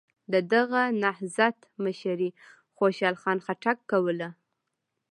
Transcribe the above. د دغه نهضت مشري خوشحال خان خټک کوله.